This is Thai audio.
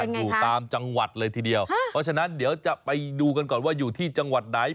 อยู่ตามจังหวัดเลยทีเดียวเพราะฉะนั้นเดี๋ยวจะไปดูกันก่อนว่าอยู่ที่จังหวัดไหน